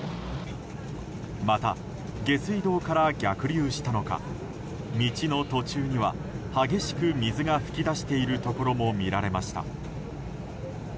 また、下水道から逆流したのか道の途中には激しく水が噴き出しているところも見られました。